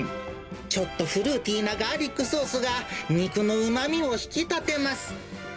ちょっとフルーティーなガーリックソースが、肉のうまみを引き立てます。